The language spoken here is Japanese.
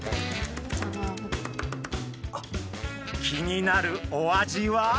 気になるお味は。